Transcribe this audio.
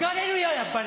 やっぱり。